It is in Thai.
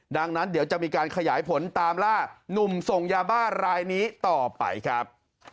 ดังนั้นเดี๋ยวจะมีการขยายผลตามล่านุ่มส่งยาบ้ารายนี้ต่อไปครับ